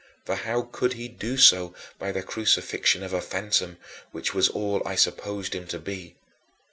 For how could he do so by the crucifixion of a phantom, which was all I supposed him to be?